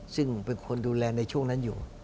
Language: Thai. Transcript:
ซึ่งเป็นคนดูแลในช่วงนั้นอยู่